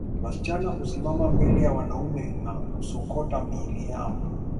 Wasichana husimama mbele ya wanaume na kusokota miili yao